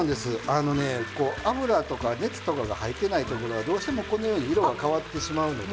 あのね油とか熱とかが入っていないところはどうしてもこのように色が変わってしまうので。